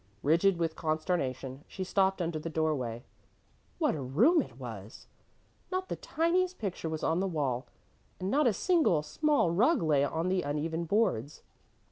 Rigid with consternation, she stopped under the doorway. What a room it was! Not the tiniest picture was on the wall and not a single small rug lay on the uneven boards.